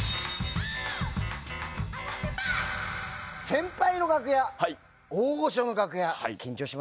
先輩の楽屋大御所の楽屋緊張しませんか？